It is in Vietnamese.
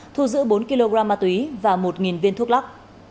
thu giữ bốn kg ma túy và một viên thuốc lắc